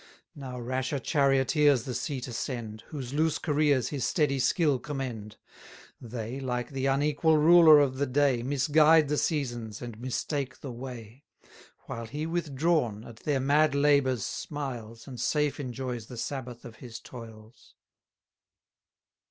Now rasher charioteers the seat ascend, Whose loose careers his steady skill commend: They, like the unequal ruler of the day, 910 Misguide the seasons, and mistake the way; While he withdrawn, at their mad labours smiles, And safe enjoys the sabbath of his toils.